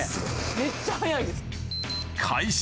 めっちゃ早いです。